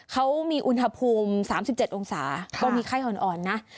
เขามีอุณหภูมิ๓๗องศาก็มีไข้อ่อนนะ